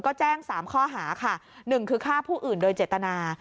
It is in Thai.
ก็แจ้ง๓ข้อหาค่ะ๑คือฆ่าผู้อื่นโดยเจตนา